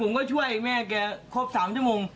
ผมก็ช่วยแม่แกครบ๓ชั่วโมง